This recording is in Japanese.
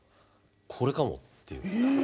これかもっていう。